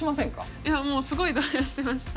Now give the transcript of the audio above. いやもうすごい動揺してました。